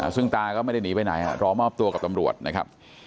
ซึ่งตาก็ไม่ได้หนีไปไหนรอมอบตัวกับตำรวจนะครับ